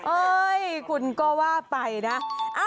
เอ้ยคุณก็ว่าไปนะ